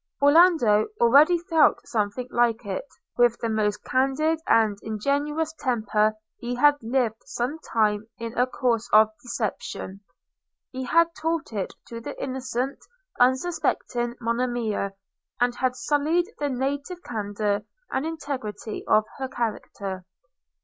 – Orlando already felt something like it: with the most candid and ingenuous temper he had lived some time in a course of deception – he had taught it to the innocent, unsuspecting Monimia, and had sullied the native candour and integrity of her character.